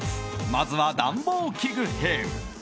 まずは、暖房器具編。